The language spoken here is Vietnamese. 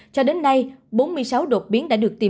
cho đến nay bốn mươi sáu đột biến đã được tìm